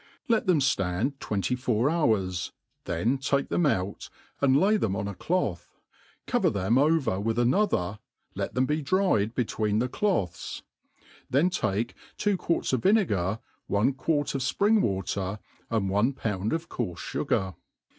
Lt them ftand twenty four hours ; then take them out, and lay them on a cloth, cover them over with another, let them be dried be tween the cloths; then take two quarts of vinegar, one quart of fpring water, and one pound of coarfe fugar.